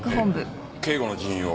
警護の人員を葦風